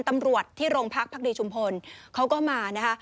ตำรวจที่โรงพักพักดีชุมพลเขาก็มานะคะ